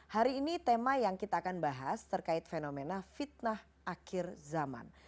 hari ini tema yang kita akan bahas terkait fenomena fitnah akhir zaman